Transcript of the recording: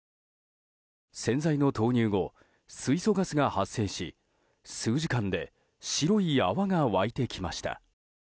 洗剤の投入後、水素ガスが発生し数時間で白い泡が湧いてきました。